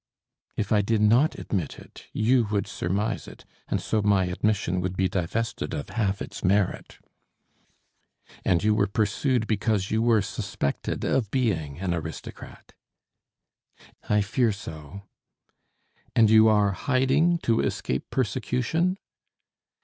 "If I did not admit it, you would surmise it, and so my admission would be divested of half its merit." "And you were pursued because you were suspected of being an aristocrat?" "I fear so." "And you are hiding to escape persecution?"